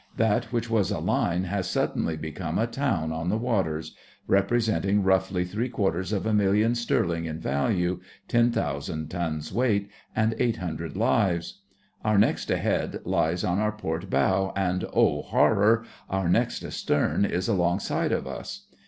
That which was a line has suddenly become a town on the waters; representing roughly three quarters of a million sterling in value, ten thousand tons weight, and eight hundred lives. Our next ahead lies on our port bow, and—oh, horror!—our next astern is alongside of us.